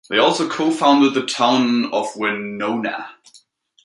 They also co-founded the town of Wenona.